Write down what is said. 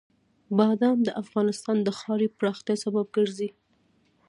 بادام د افغانستان د ښاري پراختیا سبب کېږي.